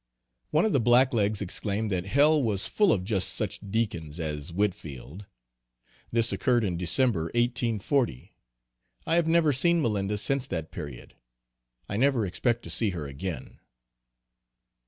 One of the black legs exclaimed that hell was full of just such Deacon's as Whitfield. This occurred in December, 1840. I have never seen Malinda, since that period. I never expect to see her again.